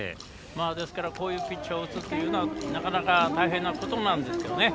ですから、こういうピッチャーを打つのはなかなか大変なことなんですけど。